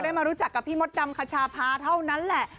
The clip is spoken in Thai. มารู้จักกับพี่มดดำคชาพาเท่านั้นแหละ